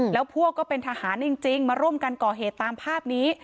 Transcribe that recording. แล้วพวกก็เป็นทหารจริงมาร่วมกันก่อเหตุตามภาพนี้